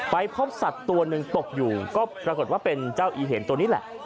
ไปพบสัตว์ตัวหนึ่งตกอยู่ก็ปรากฏว่าเป็นเจ้าอีเห็นตัวนี้แหละ